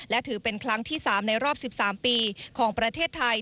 และถือเป็นครั้งที่๓ในรอบ๑๓ปีของประเทศไทย